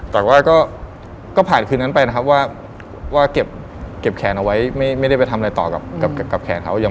แต่ว่าก็ผ่านคืนนั้นไปนะครับว่าเก็บแขนเอาไว้ไม่ได้ไปทำอะไรต่อกับแขนเขาอย่าง